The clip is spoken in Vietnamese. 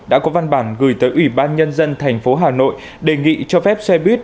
đã có văn bản gửi tới ủy ban nhân dân tp hà nội đề nghị cho phép xe buýt